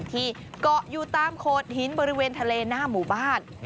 ที่เกาะอยู่ตามโขดหินบริเวณทะเลหน้าหมู่บ้าน